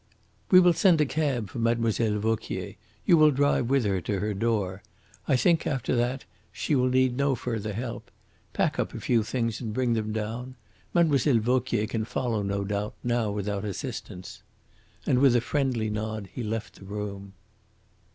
"We will send for a cab for Mlle. Vauquier. You will drive with her to her door. I think after that she will need no further help. Pack up a few things and bring them down. Mlle. Vauquier can follow, no doubt, now without assistance." And, with a friendly nod, he left the room.